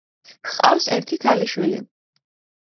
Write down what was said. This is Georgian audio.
ჰყავს ერთი ქალიშვილი.